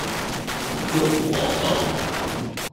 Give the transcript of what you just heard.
旭龢道